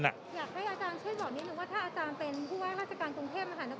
อยากให้อาจารย์ช่วยบอกนิดนึงว่าถ้าอาจารย์เป็นผู้ว่าราชการกรุงเทพมหานคร